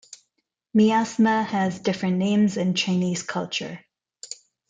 Miasma has different names in Chinese culture.